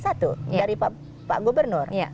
dari pak gubernur